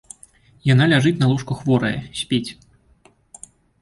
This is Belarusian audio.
Яна ляжыць на ложку хворая, спіць.